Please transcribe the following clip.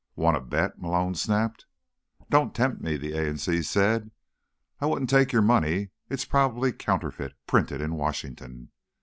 "Want to bet?" Malone snapped. "Don't tempt me," the A in C said. "I wouldn't take your money—it's probably counterfeit, printed in Washington."